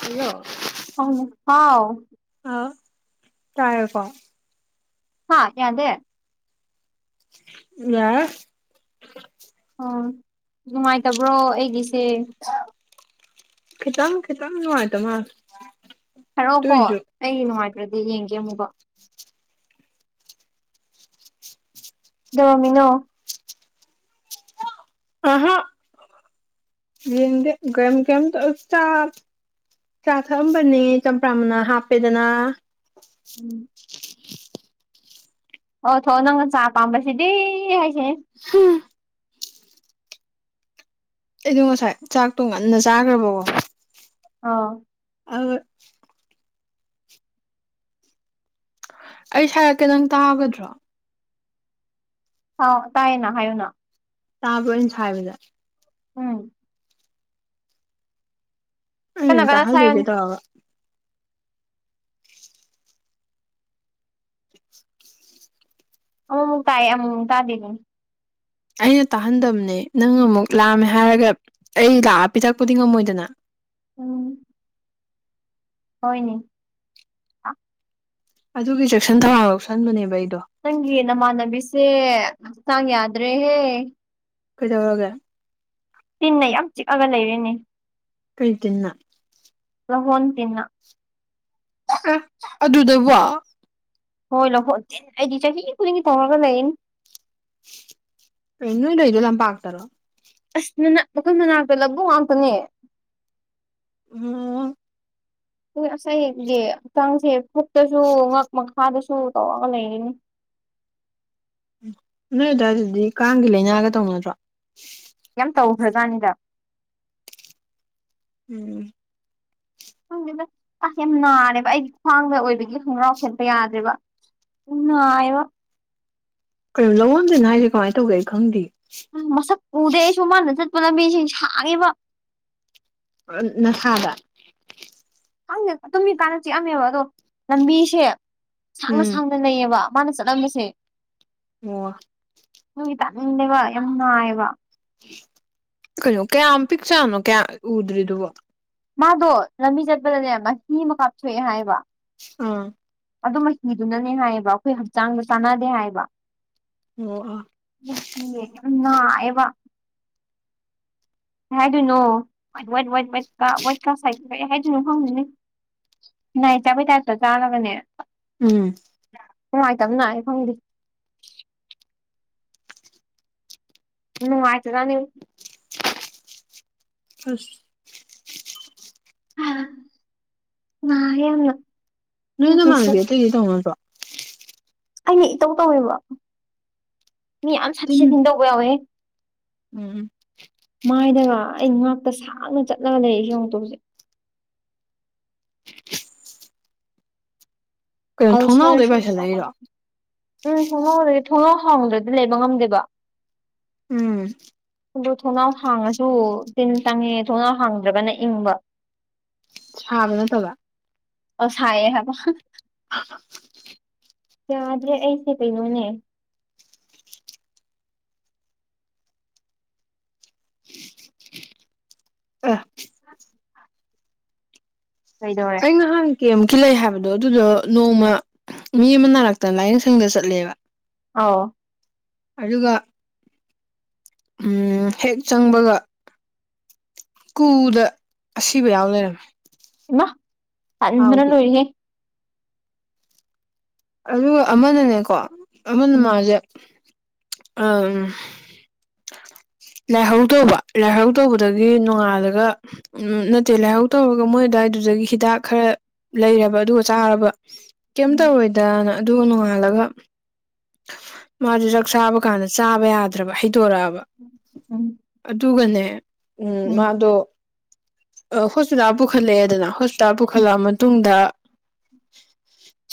ꯀꯩꯔꯣ ꯍꯅꯦ ꯍꯥꯎ ꯇꯔꯦꯀꯣ ꯍꯥ ꯌꯥꯗ ꯌꯥ ꯎꯝ ꯅꯨꯡꯉꯥꯏꯇꯕ꯭ꯔꯣ ꯑꯩꯒꯤꯁꯦ ꯈꯤꯇꯪ ꯈꯤꯇꯪ ꯅꯨꯡꯉꯥꯏ ꯇ ꯃꯥꯜꯂꯦ ꯍꯥꯏꯔꯛ ꯑꯣꯀꯣ ꯑꯗꯨꯏꯁꯨ ꯑꯩ ꯅꯨꯡꯉꯥꯏꯇ꯭ꯔꯗꯤ ꯌꯦꯡꯒꯦ ꯑꯃꯨꯛꯀ ꯗꯣꯃꯤꯅꯣ ꯑꯍꯥ ꯌꯦꯗ ꯀ ꯀꯦꯝ ꯆ [unintelligible] ꯆꯥ ꯊꯛꯑꯝꯕꯅꯦ ꯆꯝꯄ꯭ꯔꯥ ꯃꯅꯥ ꯍꯥꯞꯄꯦꯗꯅ ꯊꯛꯑꯣ ꯊꯛꯑꯣ ꯅꯪꯅ ꯆꯥ ꯄꯥꯝꯕꯁꯤꯗꯤ ꯍꯥꯏꯁꯤꯅꯤ ꯎꯝ [unintelligible] ꯑꯩꯗꯣ ꯉꯁꯥꯏ ꯆꯥꯛꯇꯣ ꯉꯟꯅ ꯆꯥꯈ꯭ꯔꯕꯀꯣ ꯑꯥ ꯑꯗꯨ ꯑꯩ ꯁꯥꯏꯔꯛꯀꯦ ꯅꯪ ꯇꯥꯒꯗ꯭ꯔꯣ ꯑꯥꯎ ꯇꯥꯏꯌꯦꯅ ꯍꯥꯏꯌꯣꯅ ꯇꯥꯕ꯭ꯔꯣ ꯑꯩꯅ ꯁꯥꯏꯕꯁꯦ ꯎꯝ ꯎꯝ ꯀꯟꯅ ꯀꯟꯅ ꯇꯍꯜꯂꯣꯏꯒꯦ ꯁꯥꯏꯌꯣꯅꯦ ꯇꯧꯔꯒꯥ ꯑꯃꯨꯛꯃꯨꯛ ꯇꯥꯏꯌꯦ ꯑꯃꯨꯛꯃꯨꯛ ꯇꯥꯗꯦꯗꯨꯅꯤ ꯑꯩꯅ ꯇꯥꯍꯟꯗꯕꯅꯦ ꯅꯪ ꯑꯃꯨꯛ ꯂꯥꯝꯃꯦ ꯍꯥꯏꯔꯒ ꯑꯩ ꯂꯥꯛꯑꯒ ꯄꯤꯊꯛꯄꯗꯤ ꯉꯝꯃꯣꯏꯗꯅ ꯎꯝ ꯍꯣꯏꯅꯦ ꯑꯗꯨꯒꯤ ꯆꯦꯛꯁꯤꯟ ꯊꯧꯔꯥꯡ ꯂꯧꯁꯟꯕꯅꯦꯕ ꯑꯩꯗꯤ ꯅꯪꯒꯤ ꯅꯃꯥꯟꯅꯕꯤꯁꯦ ꯍꯛꯆꯥꯡ ꯌꯥꯗ꯭ꯔꯦꯍꯦ ꯀꯩꯗꯧꯔꯒꯦ ꯇꯤꯟꯅ ꯌꯥꯝ ꯆꯤꯛꯑꯒ ꯂꯩꯔꯦꯅꯦ ꯀꯩ ꯇꯤꯟꯅ ꯂꯍꯣꯟ ꯇꯤꯟꯅ ꯎꯝ ꯑꯗꯨꯗꯕꯣ ꯍꯣꯏ ꯂꯤꯍꯣꯟ ꯇꯤꯟ ꯑꯩꯗꯤ ꯆꯍꯤ ꯈꯨꯗꯤꯡꯒꯤ ꯇꯧꯔꯒ ꯂꯩꯅꯤ ꯀꯩꯅꯣ ꯅꯣꯏꯅ ꯂꯩꯗꯣ ꯂꯄꯥꯛꯇꯥꯔꯣ ꯑꯁ ꯅꯅꯥ ꯃꯈꯣꯏ ꯃꯅꯥꯛꯇ ꯂꯧꯕꯨꯛ ꯉꯥꯛꯇꯅꯦ ꯎꯝ ꯍꯣꯏ ꯑꯩꯒꯤ ꯍꯛꯆꯥꯡꯁꯦ ꯄꯨꯛꯇꯁꯨ ꯉꯛ ꯃꯈꯥꯗꯁꯨ ꯇꯧꯔꯒ ꯂꯩꯔꯤꯅꯤ ꯅꯣꯏ ꯑꯗꯨꯋꯥꯏ ꯗꯗꯤ ꯀꯥꯡꯒꯤ ꯂꯥꯏꯅꯥꯒ ꯇꯧꯅꯗꯔꯣ ꯖꯅꯤꯗ [unintelligible] ꯎꯝ ꯈꯪꯗꯦꯗ ꯑ ꯌꯥꯝ ꯅꯥꯔꯦꯕ ꯑꯩꯒꯤ ꯈ꯭ꯋꯥꯡꯗ ꯑꯣꯏꯕꯒꯤ ꯈꯣꯡꯒꯔꯥꯎ ꯁꯦꯠꯄ ꯌꯥꯗ꯭ꯔꯦꯕ ꯅꯨꯉꯥꯏꯔꯣ ꯀꯩꯅꯣ ꯂꯤꯍꯣꯟ ꯇꯤꯟ ꯍꯥꯏꯁꯦ ꯀꯃꯥꯏꯅ ꯇꯧꯒꯦ ꯑꯩ ꯈꯪꯗꯤꯌꯦ ꯄꯥꯝꯕꯤꯁꯤ ꯁꯥꯡꯉꯦꯕ ꯅ ꯁꯥꯥꯗ ꯑꯩꯅ ꯇꯨꯝꯃꯤꯀꯥꯟꯗ ꯆꯤꯛꯑꯝꯃꯦꯕ ꯑꯗꯣ ꯂꯝꯕꯤꯁꯦ ꯁꯥꯡꯅ ꯎꯝ ꯁꯥꯡꯅ ꯂꯩꯌꯦꯕ ꯃꯥꯅ ꯆꯠꯂꯝꯃꯤꯁꯦ ꯑꯣ ꯇꯟꯕꯒ ꯌꯥꯝ ꯅꯥꯏꯕ ꯀꯩꯅꯣ ꯀꯌꯥꯝ ꯄꯤꯛ ꯆꯥꯅꯣ ꯀꯌꯥ ꯎꯗ꯭ꯔꯤꯗꯨꯕ ꯃꯥꯗꯣ ꯂꯝꯕꯤ ꯆꯠꯄꯗꯅꯦ ꯃꯍꯤ ꯑꯃ ꯀꯥꯞꯊꯣꯛꯑꯦ ꯍꯥꯏꯌꯦꯕ ꯑꯥ ꯑꯗꯨ ꯃꯍꯤꯗꯨꯅꯅꯦ ꯍꯥꯏꯌꯦꯕ ꯑꯩꯈꯣꯏ ꯍꯛꯆꯥꯡꯗ ꯆꯥꯟꯅꯗꯦ ꯍꯥꯏꯕ ꯑꯣ ꯑꯥ [unintelligible] ꯌꯥꯝ ꯅꯥꯏꯌꯦꯕ ꯍꯥꯏꯗꯨꯅꯣ ꯋꯥꯏꯇ ꯋꯥꯏꯇ ꯋꯥꯏꯇ ꯀꯥ ꯋꯥꯏꯀꯁꯇ [unintelligible] ꯑꯩ ꯍꯥꯏꯗꯨꯅ ꯈꯡꯗꯦꯅꯦ ꯅꯥꯏ ꯆꯥꯕꯩ ꯇꯥꯏꯞꯇ ꯆꯥꯔꯒꯅꯦ ꯎꯝ ꯅꯨꯡꯉꯥꯏꯇꯕꯅ ꯅꯥꯔꯦ ꯈꯪꯗꯦ ꯅꯨꯡꯉꯥꯏꯇꯖꯥꯠꯅꯤ ꯑꯁ [unintelligible] ꯑꯧ ꯅꯥꯏꯌꯦ ꯌꯥꯝꯅ ꯅꯣꯏ ꯑꯩꯒꯤꯁꯦ ꯅꯃꯥꯟꯅꯕꯤ ꯑꯇꯩꯗꯤ ꯇꯧꯅꯗ꯭ꯔꯣ ꯑꯩꯅ ꯏꯇꯧ ꯇꯧꯋꯦꯕ ꯃꯤ ꯌꯥꯝ ꯁꯥꯊꯤ ꯇꯤꯟ ꯁꯥꯊꯤꯅ ꯇꯧꯕ ꯌꯥꯎꯋꯦꯍꯦ ꯎꯝ ꯃꯥꯏꯗꯒ ꯑꯩ ꯉꯥꯛꯇ ꯁꯥꯡꯅ ꯆꯠꯂꯒ ꯂꯩꯔꯤꯁꯤ ꯌꯦꯡꯉꯨꯇꯣ ꯍꯧꯖꯤꯛ ꯀꯩꯅꯣ ꯊꯣꯡꯅꯥꯎꯗꯩ ꯑꯜꯁꯔꯁꯨ ꯄꯥꯏꯁꯜꯂꯛꯏꯔꯣ [unintelligible] ꯊꯣꯡꯅꯥꯎ ꯍꯥꯡꯗ꯭ꯔꯗꯤ ꯂꯩꯕ ꯉꯝꯗꯦꯕ ꯎꯝ ꯑꯗꯨ ꯊꯣꯡꯅꯥꯎ ꯍꯥꯡꯉꯁꯨ ꯇꯤꯟ ꯆꯪꯉꯦ ꯊꯣꯡꯅꯥꯎ ꯍꯥꯡꯗ꯭ꯔꯒꯅ ꯏꯪꯕ ꯁꯥꯕ ꯅꯠꯇꯕ ꯑꯣ ꯁꯥꯌꯦꯍꯥꯏꯕ ꯍ [unintelligible] ꯌꯗ꯭ꯔꯦ ꯑꯩꯁꯦ ꯀꯩꯅꯣꯅꯦ ꯑ [unintelligible] ꯎ [unintelligible] ꯀꯩꯅꯣꯍꯦ ꯀꯦꯝꯀꯤ ꯂꯩ ꯍꯥꯏꯕꯗꯣ ꯑꯗꯨꯗꯣ ꯅꯣꯡꯃ ꯃꯤ ꯑꯃ ꯅꯥꯔꯛꯇꯅ ꯂꯥꯏꯌꯦꯡ ꯁꯪꯗ ꯆꯠꯂꯦꯕ ꯑꯥꯎ ꯑꯗꯨꯒ ꯎꯡ ꯍꯦꯛ ꯆꯪꯕꯒ ꯀꯨꯗ ꯑꯁꯤꯕ ꯌꯥꯎ ꯂꯩꯔꯝꯃꯦ ꯏꯃꯥ ꯇꯟꯕꯅ ꯍꯥꯎꯗꯤ ꯂꯣꯏꯔꯦꯍꯦ ꯑꯗꯨꯒ ꯑꯃꯅꯅꯦꯀꯣ ꯑꯃꯅ ꯎꯝ ꯃꯥꯁꯦ ꯑꯝ ꯂꯥꯏꯍꯧ ꯇꯧꯕ ꯂꯥꯏꯍꯧ ꯇꯧꯕꯗꯒꯤ ꯅꯣꯡꯉꯥꯜꯂꯒ ꯅꯠꯇꯦ ꯂꯥꯏꯍꯧ ꯇꯧꯔꯒ ꯃꯣꯏ ꯑꯗꯨꯋꯥꯏꯗ ꯑꯗꯨꯗꯒꯤ ꯍꯤꯗꯥꯛ ꯈꯔ ꯂꯩꯔꯕ ꯑꯗꯨꯒ ꯆꯥꯔꯕ ꯀꯩꯝ ꯎꯝ ꯇꯧꯔꯣꯏꯗꯅ ꯑꯗꯨꯒ ꯅꯣꯡꯉꯥꯜꯂꯒ ꯃꯥꯗꯤ ꯆꯥꯛ ꯆꯥꯕ ꯀꯥꯟꯗ ꯆꯥꯕ ꯌꯥꯗ꯭ꯔꯕ ꯍꯩꯠ ꯇꯣꯔꯛꯑꯕ ꯎꯝ ꯑꯗꯨꯒꯅꯦ ꯎꯝ ꯃꯥꯗꯣ ꯍꯣꯁꯄꯤꯇꯥꯜ ꯄꯨꯈꯠꯂꯛꯑꯦꯗꯅ ꯍꯣꯁꯄꯤꯇꯥꯜꯗ ꯎꯝ ꯄꯨꯈꯠꯂꯛꯑꯕ ꯃꯇꯨꯡꯗ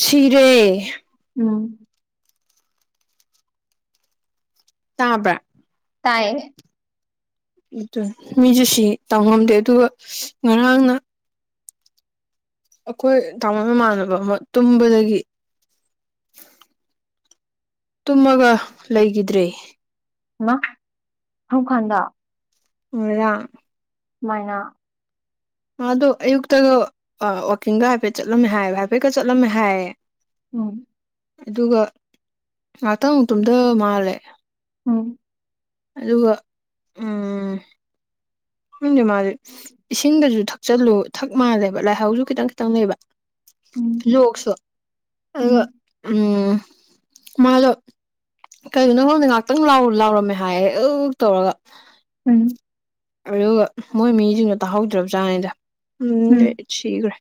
ꯁꯤꯔꯦ ꯎꯝ ꯇꯥꯕ꯭ꯔꯥ ꯇꯥꯏꯌꯦ ꯑꯗꯨ ꯃꯤꯁꯨ ꯁꯤ ꯇꯝꯉꯝꯗꯦ ꯑꯗꯨꯒ ꯉꯔꯥꯡꯅ ꯑꯩꯈꯣꯏ ꯇꯥꯃꯣꯏ ꯃꯃꯥꯟꯅꯕ ꯑꯃ ꯇꯨꯝꯕꯗꯒꯤ ꯇꯨꯝꯃꯒ ꯂꯩꯈꯤꯗ꯭ꯔꯦ UNINTELLIGIBLE ꯉꯥꯔꯥꯡ ꯃꯥꯅ ꯃꯥꯗꯣ ꯑꯌꯨꯛꯇꯒ ꯋꯥ ꯋꯥꯛꯀꯤꯡꯒ ꯍꯥꯏꯐꯦꯠ ꯆꯠꯂꯝꯃꯦ ꯍꯥꯏ ꯍꯥꯏꯐꯦꯠꯀ ꯆꯠꯂꯝꯃꯦ ꯍꯥꯏꯌꯦ ꯎꯪ ꯑꯗꯨꯒ ꯉꯥꯛꯇꯪꯃꯨꯛ ꯇꯨꯝꯙ ꯃꯥꯜꯂꯦ ꯎꯪ ꯑꯗꯨꯒ ꯎꯝ ꯈꯪꯗꯦ ꯃꯥꯖꯤ ꯏꯁꯤꯡꯒꯁꯨ ꯊꯛꯆꯜꯂꯨ ꯊꯛ ꯃꯥꯜꯂꯦꯕ ꯂꯥꯏꯍꯧꯖꯨ ꯈꯤꯇꯪ ꯈꯤꯇꯪ ꯂꯩꯕ ꯎꯝ ꯂꯣꯛꯁꯨ ꯎꯝ ꯑꯗꯨꯒꯥ ꯎꯪ ꯃꯥꯗꯣ ꯀꯩꯒꯤꯅꯣ ꯈꯪꯗꯦ ꯉꯥꯛꯇꯪ ꯂꯥꯎꯔꯝꯃꯦ ꯍꯥꯏꯌꯦ ꯑꯛ- ꯑꯛ ꯇꯧꯔꯒ ꯎꯝ ꯑꯗꯨꯒꯥ ꯃꯣꯏ ꯃꯤꯖꯤꯡꯗꯣ ꯇꯥꯍꯧꯗ꯭ꯔꯕꯖꯥꯠꯅꯤꯗ ꯎꯝ ꯑꯗꯩ ꯁꯤꯒꯔꯦ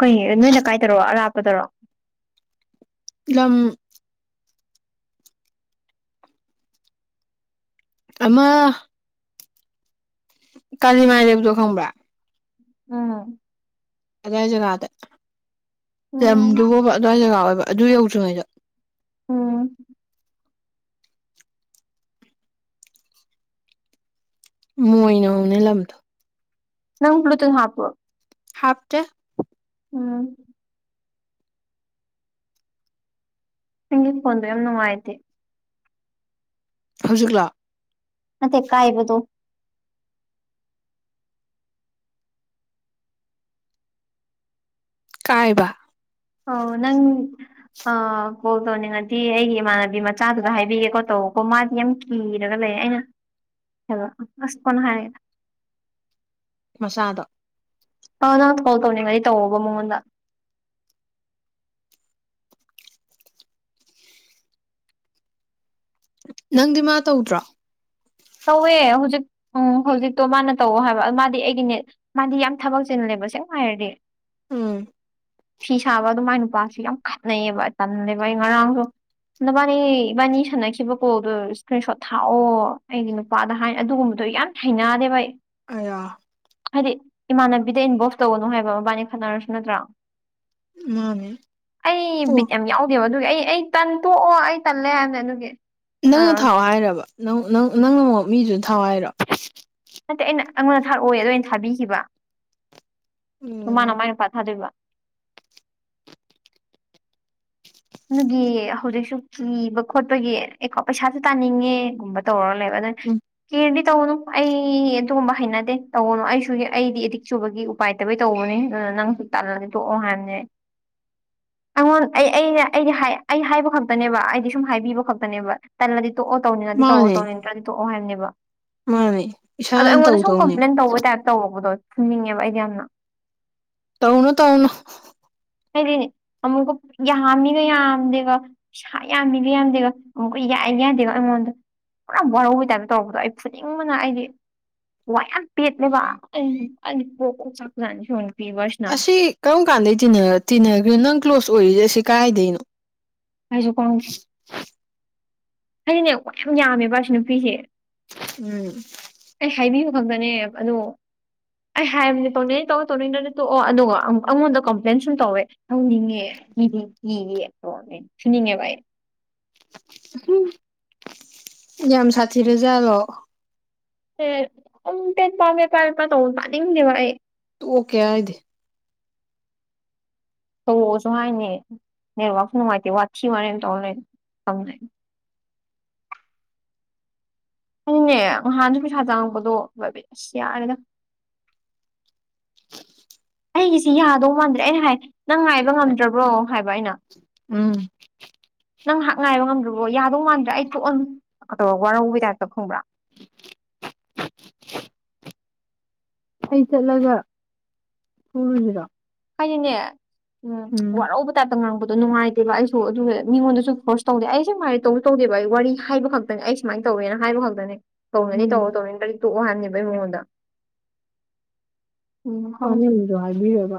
ꯀꯩꯅꯦꯒꯦ ꯅꯣꯏ ꯂꯩꯀꯏꯗꯔꯣ ꯑꯔꯥꯞꯄꯗꯔꯣ ꯂꯝ ꯑꯥꯃ ꯀꯥꯂꯤꯃꯥꯏ ꯂꯩꯕꯗꯣ ꯈꯪꯕ꯭ꯔꯥ ꯎꯪ ꯑ꯭ꯗꯨꯋꯥꯢꯏ ꯖꯒꯥꯗ ꯎꯝ ꯂꯝꯗꯨꯕꯨꯕ ꯑꯗꯨꯋꯥꯏ ꯖꯒꯥ ꯑꯣꯏꯕ ꯑꯗꯨ ꯌꯧꯗ꯭ꯔꯤꯉꯩꯗ ꯎꯪ ꯃꯣꯌꯅ ꯍꯧꯕꯅꯦ ꯂꯝꯗꯣ ꯅꯪ ꯕ꯭ꯂꯨ ꯇꯨꯠ ꯍꯥꯞꯄ꯭ꯔꯣ ꯍꯥꯞ ꯇꯦ ꯎꯪ ꯅꯪꯒꯤꯐꯣꯟꯗꯣ ꯌꯥꯝ ꯅꯨꯡꯉꯥꯏꯇꯦ ꯍꯧꯖꯤꯛꯂꯣ ꯅꯠꯇꯦ ꯀꯥꯏꯕꯗꯣ ꯀꯥꯌꯕ ꯑꯣ ꯅꯪ ꯑꯣ ꯀꯣꯜ ꯇꯧꯅꯤꯡꯉꯗꯤ ꯑꯩꯒꯤ ꯏꯃꯥꯟꯅꯕꯤ ꯃꯆꯥꯗꯨꯗ ꯍꯥꯏꯕꯤꯒꯦꯀꯣ ꯇꯧ ꯀꯣ ꯃꯥꯗꯤ ꯌꯥꯝ ꯀꯤꯔꯒ ꯂꯩ ꯗꯩ ꯑꯩꯅ ꯍꯥꯏꯕ ꯑꯥꯁ ꯀꯣꯟꯅ ꯍꯥꯏꯔꯒꯦ ꯃꯆꯥꯗꯣ ꯑꯧ ꯅꯪ ꯐꯣꯟ ꯇꯧꯅꯤꯡꯉꯗꯤ ꯇꯧꯑꯕ ꯃꯉꯣꯟꯗ ꯅꯪꯗꯤꯃꯥ ꯇꯧꯗ꯭ꯔꯣ ꯇꯧꯋꯦ ꯍꯧꯖꯤꯛ ꯎꯪ ꯍꯧꯖꯤꯛꯇꯣ ꯃꯥꯅ ꯇꯧꯑꯣ ꯍꯥꯏꯕ ꯃꯥꯗꯤ ꯑꯩꯒꯤꯅꯦ ꯃꯥꯗꯤ ꯌꯥꯝ ꯊꯕꯛ ꯆꯤꯜꯂꯦ ꯇꯁꯦꯡꯕ ꯍꯥꯏꯔꯗꯤ ꯎꯪ ꯐꯤ ꯁꯥꯕꯗꯨ ꯃꯥꯏ ꯅꯨꯄꯥꯁꯦ ꯌꯥꯝ ꯈꯠꯅꯩꯌꯦꯕ ꯇꯜꯂꯦꯕ ꯑꯩ ꯉꯔꯥꯡꯗꯨ ꯅꯕꯥꯅꯤ ꯏꯕꯥꯅꯤ ꯁꯥꯟꯅꯈꯤꯕ ꯀꯣꯜꯗꯣ ꯏꯁꯀ꯭ꯔꯤꯟ ꯁꯣꯔꯠ ꯊꯥꯎꯑꯣ ꯑꯩꯒꯤ ꯅꯨꯄꯥꯗ ꯍꯥꯏ ꯑꯗꯨꯒꯨꯝꯕꯗꯣ ꯌꯥꯝ ꯍꯩꯅꯥꯗꯦꯕ ꯑꯩ ꯑꯩꯌꯥ ꯍꯥꯏꯗꯤ ꯏꯃꯥꯟꯅꯕꯤꯗ ꯏꯟꯚꯣꯜꯚ ꯇꯧꯒꯅꯨ ꯍꯥꯏꯕ ꯃꯕꯥꯅꯤ ꯈꯠꯅꯥꯔꯁꯨ ꯅꯠꯇ꯭ꯔꯥ ꯃꯥꯅꯦ ꯑꯩ ꯑꯣ ꯕꯤꯠꯌꯥꯝ ꯌꯥꯎꯗꯦꯕ ꯑꯗꯨꯒꯤ ꯑꯩ ꯑꯩ ꯇꯟꯇꯣꯛꯑꯣ ꯑꯩꯇꯜꯂꯦ ꯍꯥꯏꯕꯅꯦ ꯑꯗꯨꯒꯤ ꯅꯪꯅꯥ ꯑꯥ ꯊꯥꯎ ꯍꯥꯏꯔꯤꯔꯥꯕ ꯅꯪ ꯅꯪꯅꯥ ꯃꯤꯗꯨꯗ ꯊꯥꯎ ꯍꯥꯏꯔꯣ ꯅꯠꯇꯦ ꯑꯩꯅ ꯑꯩꯉꯣꯟꯗ ꯊꯥꯔꯛꯑꯣꯏ ꯑꯗꯣ ꯑꯩꯅ ꯊꯥꯕꯤꯈꯤꯕ ꯑꯗꯨ ꯎꯝ ꯃꯥꯅ ꯃꯥꯏ ꯅꯨꯄꯥꯗ ꯊꯗꯣꯏꯕ ꯑꯗꯨꯗꯤ ꯍꯧꯖꯤꯛꯁꯨ ꯀꯤꯕ- ꯈꯣꯠꯄꯒꯤ ꯑꯦꯀꯥꯎꯟ ꯄꯩꯁꯥꯖꯨ ꯇꯥꯅꯤꯡꯉꯦꯒꯨꯝꯕ ꯇꯧꯔ ꯂꯩꯕ ꯑꯗꯩ ꯎꯝ ꯀꯤꯔꯗꯤ ꯇꯧꯔꯨꯅꯨ ꯑꯩ ꯑꯗꯨꯒꯨꯝꯕ ꯍꯩꯅꯗꯦ ꯇꯧꯒꯅꯨ ꯑꯩꯁꯨꯅꯦ ꯑꯩꯗꯤ ꯑꯦꯗꯤꯛ ꯆꯨꯕꯒꯤ ꯎꯄꯥꯏ ꯂꯩꯇꯕꯒꯤ ꯇꯧꯕꯅꯤ ꯑꯗꯨꯅ ꯅꯪꯁꯨ ꯇꯜꯂꯗꯤ ꯇꯣꯛꯑꯣ ꯍꯥꯏꯕꯅꯦ INAUDIBLE ꯑꯩꯉꯣꯟ ꯑꯩ ꯑꯩꯩꯅꯥ ꯑꯩꯗꯤ ꯍꯥꯏ ꯑꯩ ꯍꯥꯏꯕ ꯈꯛꯇꯅꯦꯕ ꯑꯩꯗꯤ ꯁꯨꯝ ꯍꯥꯏꯕꯤꯕ ꯈꯛꯇꯅꯦꯕ ꯇꯜꯂꯗꯤ ꯇꯣꯛꯑꯣ ꯇꯧꯅꯤꯡꯑꯗꯤ ꯇꯧꯑꯣ ꯃꯥꯅꯦ ꯇꯧꯅꯤꯡꯗ꯭ꯔꯗꯤ ꯇꯣꯛꯑꯣ ꯍꯥꯏꯕꯅꯦꯕꯥ ꯃꯥꯅꯦ ꯑꯗꯣ ꯏꯁꯥꯅ ꯑꯩꯉꯣꯟꯗ ꯁꯨꯝ ꯇꯧꯗꯧꯅꯦ ꯀꯝꯄ꯭ꯂꯦꯟ ꯇꯧꯕꯩ ꯇꯥꯏꯞ ꯇꯧꯔꯛꯄꯗꯣ ꯐꯨꯅꯤꯡꯉꯦꯕ ꯑꯩꯗꯤꯌꯥꯝꯅ ꯇꯧꯅꯨ ꯇꯧꯅꯨ ꯍꯥꯏꯗꯤ ꯑꯃꯨꯛꯀ ꯌꯥꯝꯃꯤꯒ-ꯌꯥꯝꯗꯦꯒ ꯄꯩꯁꯥ ꯌꯥꯝꯃꯤꯒ ꯌꯥꯝꯗꯦꯒ ꯑꯃꯨꯛꯀ ꯌꯥ ꯑꯩ ꯌꯥꯗꯦꯕ ꯑꯩꯉꯣꯟꯗ ꯄꯨꯔꯥ ꯋꯥꯔꯧꯕꯩ ꯇꯥꯏꯞꯇ ꯇꯧꯔꯛꯄꯗꯣ ꯑꯩ ꯐꯨꯅꯤꯡꯕꯅ ꯑꯩꯗꯤ ꯋꯥ ꯌꯥꯝ ꯄꯦꯠꯂꯦꯕ ꯑꯩ ꯑꯩꯗꯤ ꯄ꯭ꯔꯣꯛ-ꯄ꯭ꯔꯣꯛ ꯆꯥꯛꯄꯖꯥꯠꯅꯤ [unintelligible] ꯑꯥꯁꯤ ꯀꯔꯝ ꯀꯥꯟꯗꯩ ꯇꯤꯟꯅꯒꯔꯤꯅꯣ ꯅꯪ ꯀ꯭ꯂꯣꯖ ꯑꯣꯏꯔꯤꯖꯦ ꯑꯁꯤ ꯀꯔꯥꯢꯗꯩꯅꯣ ꯑꯩꯖꯨ ꯈꯪꯗꯦ ꯑꯩꯅ ꯈ꯭ꯋꯥꯏ ꯌꯥꯕꯅꯦꯕ ꯑꯁꯤ ꯅꯨꯄꯤꯖꯦ ꯎꯪ ꯐꯕꯅꯦ ꯑꯥꯗꯣ ꯑꯩ ꯍꯥꯏꯕꯅꯦ ꯇꯧꯅꯤꯡꯉꯇꯧ ꯇꯧꯅꯤꯡꯗ꯭ꯔꯥꯒ ꯇꯣꯛꯑꯣ ꯑꯗꯨꯒ ꯑꯩꯉꯣꯟꯗ ꯀꯝꯄ꯭ꯂꯦꯟ ꯁꯨꯝ ꯇꯧꯋꯦ ꯁꯥꯎꯅꯤꯡꯉꯦ UNINTELLIGIBLE ꯍꯨꯡ ꯌꯥꯝ ꯁꯥꯊꯤꯔ ꯖꯥꯠꯂꯣ ꯑꯦ ꯑꯗꯨꯝ ꯄꯦꯠ ꯄꯥ -ꯄꯦꯠ ꯄꯥ ꯇꯧꯕꯗꯣ ꯇꯥꯅꯤꯡꯗꯦꯕ ꯑꯩ ꯇꯣꯛꯀꯦ ꯍꯥꯌꯗꯦ ꯇꯧꯔꯛꯑꯣꯁꯨ ꯍꯥꯏꯅꯦ ꯅꯦꯠꯋꯥꯛꯁꯨ ꯅꯨꯉꯥꯢꯇꯦ ꯋꯥꯊꯤ ꯋꯥꯔꯦꯝ ꯇꯧꯔ ꯂꯩ UNINTELLIGIBLE INAUDIBLE ꯍꯣꯏꯅꯦ ꯅꯍꯥꯟꯖ ꯄꯩꯁꯥ ꯆꯪꯉꯛꯄꯗꯣ ꯕꯕꯤꯠꯁ ꯌꯥꯔꯦꯗ ꯑꯩꯒꯤꯖꯤ ꯌꯥꯗꯧ ꯃꯥꯟꯗ꯭ꯔꯦ ꯑꯩꯅ ꯍꯥꯏ ꯅꯪ ꯉꯥꯏꯕ ꯉꯝꯗ꯭ꯔꯕ꯭ꯔꯣ ꯍꯥꯏꯕ ꯑꯩꯅ ꯎꯪ ꯅꯪ ꯉꯥꯢꯍꯥꯛ ꯉꯥꯏꯕ ꯉꯝꯗ꯭ꯔꯕ꯭ꯔꯣ ꯌꯥꯗꯧ ꯃꯥꯟꯗ꯭ꯔꯦ ꯑꯩ ꯊꯣꯛꯑꯅꯤ ꯀꯥ ꯇꯧꯔ ꯋꯥꯔꯧꯕꯩ ꯇꯥꯏꯞꯇ ꯈꯪꯕ꯭ꯔꯥ INAUDIBLE ꯑꯩ ꯆꯠꯂꯒ ꯐꯨ ꯔꯨ ꯖꯤꯔꯣ ꯍꯥꯏꯗꯤꯅꯦ ꯎꯪ ꯆ ꯋꯥꯔꯧꯕ ꯇꯥꯏꯞꯇ ꯉꯥꯡꯕꯗꯣ ꯅꯨꯡꯉꯥꯏꯇꯦꯕ ꯑꯩꯁꯨ ꯑꯗꯨꯅꯦ ꯃꯤꯉꯣꯟꯗꯁꯨ ꯐꯣꯔꯁ ꯇꯧꯗꯦ ꯑꯩ ꯑꯁꯦꯡꯕ ꯍꯥꯢꯒꯦ ꯇꯧꯁꯨ ꯇꯧꯗꯦꯕ ꯑꯩ ꯋꯥꯔꯤ ꯍꯥꯏꯕ ꯈꯛꯇꯅꯤ ꯑꯩ ꯁꯨꯃꯥꯏꯅ ꯇꯧ ꯇꯧꯋꯦꯅ ꯍꯥꯏꯕꯈꯛꯇꯅꯦ ꯇꯧꯅꯤꯡꯉꯗꯤꯇꯧꯔꯣ- ꯎꯝ ꯇꯧꯅꯤꯡꯗ꯭ꯔꯗꯤ ꯇꯣꯛꯑꯣ ꯍꯥꯢꯕꯅꯦꯕ ꯑꯩ ꯃꯉꯣꯟꯗ ꯀꯥꯟꯅꯕꯖꯨ ꯍꯥꯏꯕꯤꯔꯒ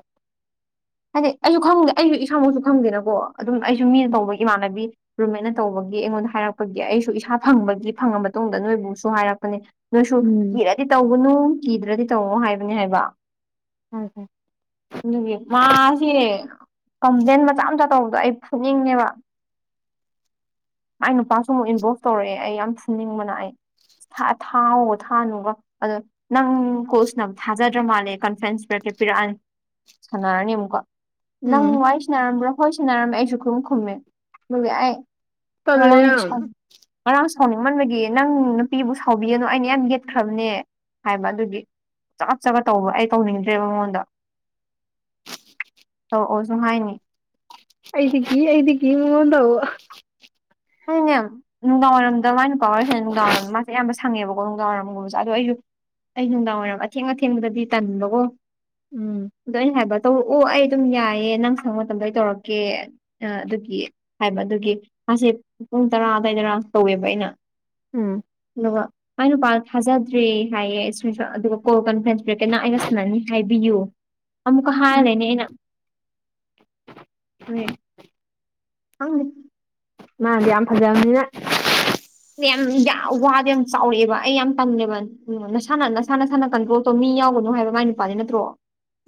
ꯍꯥꯏꯗꯤ ꯑꯩꯖꯨ ꯈꯪꯗꯦ ꯑꯩꯖꯨ ꯏꯁꯥꯃꯛꯁꯨ ꯈꯪꯗꯦꯅꯀꯣ ꯑꯗꯨꯝ ꯑꯩꯁꯨ ꯃꯤꯅ ꯇꯧꯕ ꯏꯃꯥꯟꯅꯕꯤ ꯔꯨꯝꯃꯦꯠꯅ ꯇꯧꯕꯒꯤ ꯑꯩꯉꯣꯟꯗ ꯍꯥꯏꯔꯛꯄꯒꯤ ꯑꯩꯁꯨ ꯏꯁꯥ ꯐꯪꯕꯒꯤ -ꯐꯪꯉ ꯃꯇꯨꯡꯗ ꯅꯣꯏꯕꯨꯁꯨ ꯍꯥꯏꯔꯛꯄꯅꯦ ꯅꯣꯏꯁꯨ ꯎꯝ ꯀꯤꯔꯗꯤꯇꯧꯒꯅꯨ- ꯀꯤꯗ꯭ꯔꯗꯤ ꯇꯧꯑꯣ ꯍꯥꯏꯕꯅꯦ ꯍꯥꯏꯕ ꯍꯥꯌ ꯍꯥꯌ ꯃꯥꯖꯦꯀꯝꯄ꯭ꯂꯦꯟ ꯃꯆꯥ ꯃꯆꯥ ꯇꯧꯕꯗꯣ ꯑꯩ ꯐꯨꯅꯤꯡꯉꯦꯕ ꯃꯥꯢ ꯅꯨꯄꯥꯁꯨ ꯑꯃꯨꯛ ꯏꯟꯕꯣꯛꯁ ꯇꯧꯔꯛꯑꯦ ꯑꯩ ꯌꯥꯝ ꯐꯨꯅꯤꯡꯕꯅ ꯑꯩ ꯊꯥꯎꯒ ꯊꯥꯅꯨꯒ ꯑꯗꯣ ꯅꯪ ꯀꯣꯜꯁꯥꯅꯕ ꯊꯥꯖꯗ꯭ꯔꯕ ꯃꯥꯜꯂꯦ ꯀꯟꯐ꯭ꯔꯦꯟꯁ ꯄꯤꯔꯛꯀꯦ ꯄꯤꯔꯛꯑꯅꯤ [inaudible] ꯁꯥꯟꯅꯔꯅꯤ ꯑꯃꯨꯛꯀ ꯅꯪ ꯎꯝ ꯋꯥꯔꯤ ꯁꯅꯔꯝꯕ꯭ꯔꯣ ꯍꯣꯏ ꯁꯥꯟꯅꯔꯝꯃꯦ ꯑꯩꯁꯨ ꯈꯨꯨꯝ ꯈꯨꯝꯃꯦ ꯑꯩ ꯇꯜꯂꯦ ꯉꯔꯥꯡꯗꯤ ꯌꯥꯝ ꯁꯥꯎ ꯉꯔꯥꯡ ꯁꯥꯎꯅꯤꯡꯃꯟꯕꯒꯤ ꯅꯪ ꯅꯨꯄꯤꯕꯨ ꯁꯥꯎꯕꯤꯒꯅꯨ ꯑꯩꯅ ꯌꯥꯝ ꯌꯦꯠꯈ꯭ꯔꯕꯅꯦ ꯍꯥꯏꯕ ꯑꯗꯨꯒꯤ ꯆꯒꯠ ꯆꯒꯠ ꯇꯧꯕ ꯑꯩ ꯇꯧꯅꯤꯡꯗ꯭ꯔꯦꯕ ꯃꯉꯣꯟꯗ ꯑꯣꯁꯨ ꯍꯥꯏꯅꯤ ꯑꯩꯗꯤ ꯀꯤ ꯑꯩꯗꯤ ꯀꯤ ꯃꯉꯣꯟ ꯇꯧꯕ ꯅꯪꯅꯦ ꯅꯨꯡꯗꯥꯡꯋꯥꯏꯔꯝꯗ ꯃꯥꯏ ꯅꯨꯄꯥ ꯋꯥꯔꯤ ꯁꯥꯅꯩ ꯅꯨꯡꯗꯥꯡꯋꯥꯏꯔꯝꯗ ꯃꯥꯁꯦ ꯑꯌꯥꯝꯕ ꯁꯪꯉꯦꯕꯀꯣ ꯅꯨꯡꯗꯥꯡꯋꯥꯏꯔꯝ ꯒꯨꯝꯕꯁꯦ ꯑꯗꯣ ꯑꯩꯁꯨ ꯑꯩ ꯅꯨꯡꯗꯥꯡ ꯋꯥꯏꯔꯝ ꯑꯊꯦꯡ ꯑꯊꯦꯡꯕꯗꯗꯤ ꯇꯟꯕꯀꯣ ꯎꯝ ꯑꯗꯣ ꯑꯩꯅ ꯍꯥꯏꯕ ꯇꯧꯔꯛꯑꯣ ꯑꯩ ꯑꯗꯨꯝ ꯌꯥꯏꯌꯦ ꯅꯪ ꯁꯪꯕ ꯃꯇꯝꯗ ꯑꯩ ꯇꯧꯔꯛꯀꯦ ꯑꯥ ꯑꯗꯨꯒꯤ ꯍꯥꯏꯕ ꯑꯗꯨꯒꯤ ꯃꯥꯁꯦ ꯄꯨꯡ ꯇꯔꯥ ꯑꯗꯨꯋꯥꯏꯗꯔ ꯇꯧꯋꯦꯕ ꯑꯩꯅ ꯎꯝ ꯑꯗꯨꯒ ꯃꯥꯢ ꯅꯨꯄꯥꯅ ꯊꯥꯖꯗ꯭ꯔꯦ ꯍꯥꯏꯌꯦ ꯁꯀ꯭ꯔꯤꯟꯁꯣꯠ ꯑꯗꯨꯒ ꯀꯣꯜ ꯀꯟꯐ꯭ꯔꯦꯟꯁ ꯄꯤꯔꯛꯀꯦ ꯅꯪ ꯑꯩꯒ ꯁꯥꯟꯅꯅꯤ ꯍꯥꯏꯕꯤꯌꯨ ꯑꯃꯨꯛꯀ ꯍꯥꯢ ꯂꯩꯔꯅꯤ ꯑꯩꯅ ꯍꯣꯢ ꯈꯪꯗꯦ ꯃꯥꯗꯤ ꯌꯥꯝ ꯐꯖꯕꯅꯤꯅ ꯌꯥꯝ ꯌꯥꯝ ꯋꯥꯗ ꯌꯥꯝ ꯆꯥꯎꯔꯛꯑꯦꯕ ꯑꯩ ꯌꯥꯝ ꯇꯜꯂꯦꯕ ꯑꯗꯨꯗꯨꯒ ꯅꯁꯥꯅ ꯅꯁꯥ ꯅꯁꯥꯅ ꯀꯟꯇ꯭ꯔꯣꯜ ꯇꯧ ꯃꯤ ꯌꯥꯥꯎꯒꯅꯨ ꯍꯥꯏꯕ ꯃꯥꯏ ꯅꯨꯄꯥꯅꯤ ꯅꯠꯇ꯭ꯔꯣ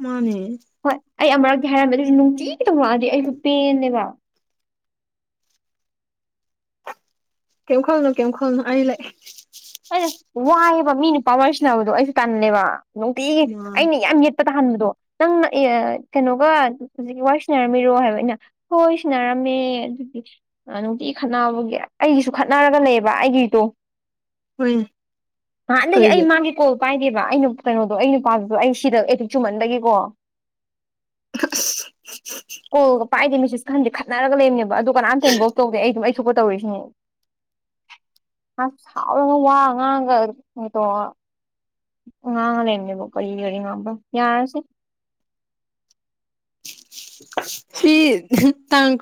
ꯃꯥꯅꯦ ꯍꯣꯏ ꯑꯩ ꯑꯃꯨꯔꯛꯇꯤ ꯍꯥꯏꯔꯝꯃꯦ ꯑꯩꯁꯨ ꯅꯨꯡꯇꯤꯒꯤ ꯇꯧꯔꯛꯉꯑꯗꯤ ꯑꯩꯁꯨ ꯄꯦꯟꯅꯦꯕ [inaudible] ꯀꯦꯝ ꯈꯜꯂꯨꯅꯣꯅꯣ ꯀꯦꯝ ꯈꯜꯂꯨꯅꯣ ꯑꯩ ꯂꯩ ꯑꯩꯅ ꯋꯥꯏꯑꯦꯕ ꯃꯤ ꯅꯨꯄꯥ ꯑꯣꯏꯁꯤꯟꯅꯕꯗꯣ ꯑꯩꯁꯨ ꯇꯜꯂꯦꯕ ꯅꯨꯡꯇꯤꯒꯤ ꯃꯥ ꯑꯩꯅ ꯌꯥꯝ ꯌꯦꯠꯄ ꯇꯥꯍꯟꯕꯗꯣ ꯅꯪ ꯑꯦꯑꯥ ꯀꯩꯅꯣꯒ ꯍꯧꯖꯤꯛꯀꯤ ꯋꯥꯔꯤ ꯁꯥꯟꯅꯔꯝꯃꯤꯔꯣ ꯍꯥꯏꯕ ꯑꯩꯅ ꯍꯣꯏ ꯁꯤꯟꯅꯔ ꯝꯃꯦ ꯑꯗꯨꯗꯤ ꯅꯨꯡꯇꯤꯒꯤ ꯈꯠꯅꯕꯒꯤ ꯑꯩꯒꯤꯁꯨ ꯈꯠꯅꯔꯒ ꯂꯩꯌꯦꯕ ꯑꯩꯒꯤꯗꯣ ꯍꯣꯏꯅꯦ ꯅꯍꯥꯟꯅꯗꯒꯤ ꯑꯩ ꯀꯩꯒꯤ ꯃꯥꯒꯤ ꯀꯣꯜ ꯄꯥꯏꯗꯦꯕ ꯑꯩꯅ ꯀꯩꯅꯣꯗꯣ ꯑꯩ ꯅꯨꯄꯥꯗꯨꯗꯣ ꯑꯩ ꯁꯤꯗ ꯑꯦꯗꯤꯛ ꯆꯨꯃꯟꯕꯒꯤꯀꯣ ꯀꯣꯜꯒ ꯄꯥꯢꯗꯦ ꯃꯤꯁꯦꯁꯀ ꯍꯟꯗꯦ ꯈꯠꯅꯔꯒ ꯂꯩꯕꯅꯦꯕ ꯑꯗꯨ ꯀꯅꯥꯝꯇ ꯏꯟꯒ꯭ꯣꯜꯒ ꯇꯧꯗꯦ ꯑꯩ ꯑꯗꯨꯝ ꯑꯩ ꯊꯣꯛꯄ ꯇꯧꯔꯤꯁꯤꯅꯤ ꯑꯥ ꯋꯥ ꯉꯥꯡꯒ ꯇꯧꯔꯗꯅ ꯉꯥꯡꯉ ꯂꯩꯔꯝꯃꯦꯕ ꯀꯔꯤ ꯂꯩ ꯉꯥꯡꯕꯝ ꯌꯥꯔꯦꯁꯦ [inaudible] ꯁꯤ ꯍꯪ ꯇꯥꯡ